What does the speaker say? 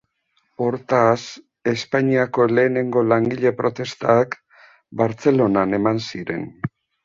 Hortaz, Espainiako lehenengo langile protestak Bartzelonan eman ziren.